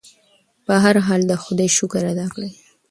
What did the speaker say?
په هر حال کې د خدای شکر ادا کړئ.